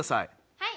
はい！